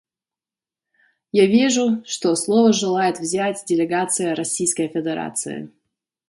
Я вижу, что слово желает взять делегация Российской Федерации.